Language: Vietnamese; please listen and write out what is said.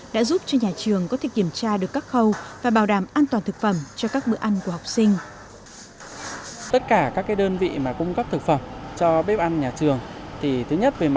đã giúp cho nhà trường có thể kiểm tra được các khâu và bảo đảm an toàn thực phẩm